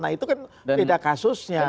nah itu kan beda kasusnya